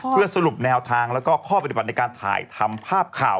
เพื่อสรุปแนวทางแล้วก็ข้อปฏิบัติในการถ่ายทำภาพข่าว